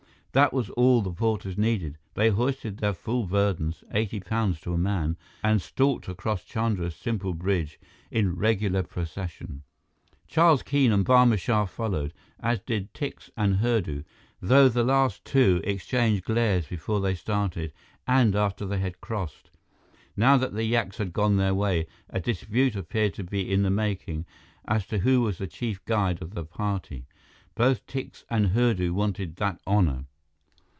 That was all the porters needed. They hoisted their full burdens, eighty pounds to a man, and stalked across Chandra's simple bridge in regular procession. Charles Keene and Barma Shah followed, as did Tikse and Hurdu, though the last two exchanged glares before they started and after they had crossed. Now that the yaks had gone their way, a dispute appeared to be in the making as to who was the chief guide of the party. Both Tikse and Hurdu wanted that honor.